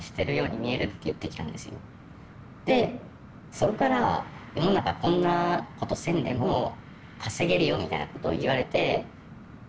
そこから「世の中こんなことせんでも稼げるよ」みたいなことを言われて。